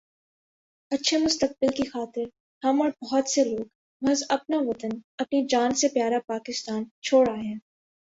اچھے مستقبل کی خاطر ہم اور بہت سے لوگ محض اپنا وطن اپنی جان سے پیا را پاکستان چھوڑ آئے ہیں